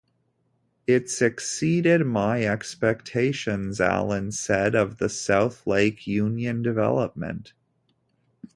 "It's exceeded my expectations," Allen said of the South Lake Union development.